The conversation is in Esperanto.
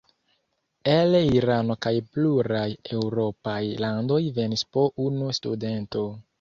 El Irano kaj pluraj eŭropaj landoj venis po unu studento.